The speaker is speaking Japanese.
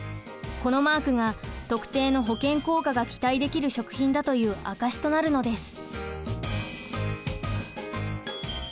このマークが特定の保健効果が期待できる食品だという証しとなるのです。